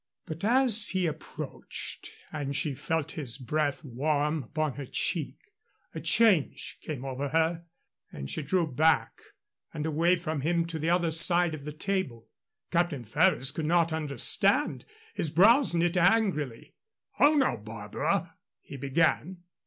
But as he approached and she felt his breath warm upon her cheek, a change came over her and she drew back and away from him to the other side of the table. Captain Ferrers could not understand. His brows knit angrily. "How now, Barbara " he began.